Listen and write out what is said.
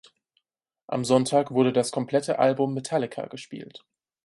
Am Sonntag wurde das komplette Album "Metallica" gespielt.